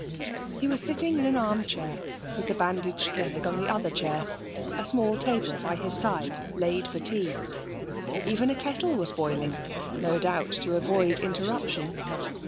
He was sitting in an arm chair, with the bandaged leg on the other chair, a small table by his side laid for tea. Even a kettle was boiling (no doubt to avoid interruption).